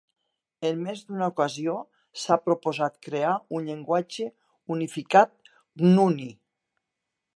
En més d'una ocasió s'ha proposat crear un llenguatge unificat nguni.